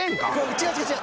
違う違う。